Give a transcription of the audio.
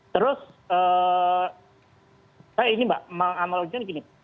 terus saya ini mbak menganalogikan gini